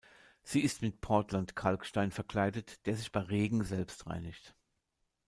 Sie ist mit Portland-Kalkstein verkleidet, der sich bei Regen selbst reinigt.